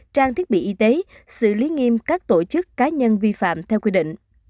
trang thiết bị y tế xử lý nghiêm các tổ chức cá nhân vi phạm theo quy định